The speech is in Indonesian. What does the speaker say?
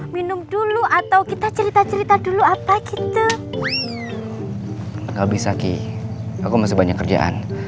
minum dulu atau kita cerita cerita dulu apa gitu aku masih banyak kerjaan